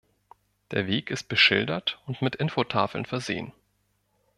Der Weg ist beschildert und mit Infotafeln versehen.